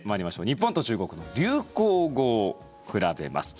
日本と中国の流行語を比べます。